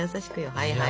はいはい。